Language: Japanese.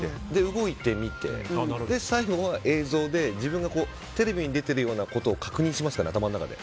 動いてみて、最後は映像で自分がテレビに出てるようなことを確認しますかね、頭の中で。